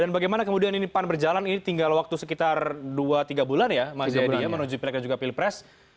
dan bagaimana kemudian ini pan berjalan ini tinggal waktu sekitar dua tiga bulan ya mas hedi ya menuju pilihan dan juga pilih pres